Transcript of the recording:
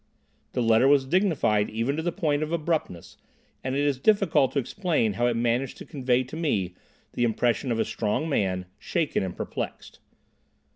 The letter was dignified even to the point of abruptness, and it is difficult to explain how it managed to convey to me the impression of a strong man, shaken and perplexed.